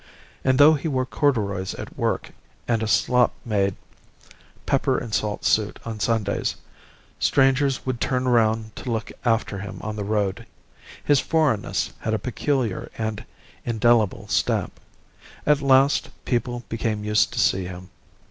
And though he wore corduroys at work, and a slop made pepper and salt suit on Sundays, strangers would turn round to look after him on the road. His foreignness had a peculiar and indelible stamp. At last people became used to see him.